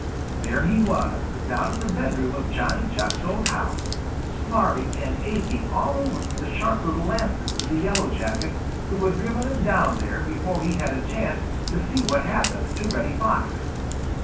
There he was, down in the bedroom of Johnny Chuck's old house, smarting and aching all over from the sharp little lances of the Yellow Jackets who had driven him down there before he had had a chance to see what happened to Reddy Fox.